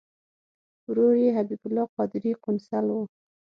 ورور یې حبیب الله قادري قونسل و.